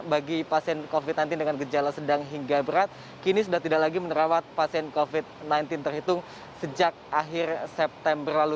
bagi pasien covid sembilan belas dengan gejala sedang hingga berat kini sudah tidak lagi menerawat pasien covid sembilan belas terhitung sejak akhir september lalu